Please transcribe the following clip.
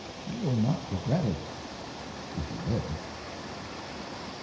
You will not regret it, if you live.